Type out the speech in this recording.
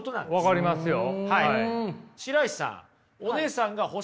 分かりますよ。